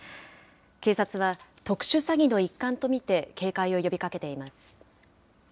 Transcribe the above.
警察は、特殊詐欺の一環と見て、警戒を呼びかけています。